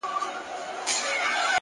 پرمختګ د عمل دوام غواړي,